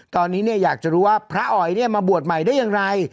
ตอนนี้อยากจะรู้ว่าพระอ๋อยมาบวชใหม่ได้อย่างไร